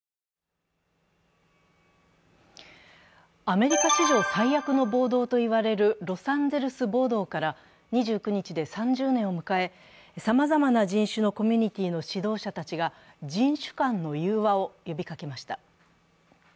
アメリカ史上最悪の暴動と言われるロサンゼルス暴動から２９日で３０年を迎え、さまざまな人種のコミュニティーの指導者たちが人種間の融和を呼びかけました。